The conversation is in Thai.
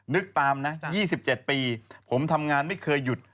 นึกตามนะ๒๗ปีผมทำงานไม่เคยหยุด